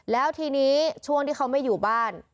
แล้วทีนี้ช่วงที่เขาไม่อยู่บ้าน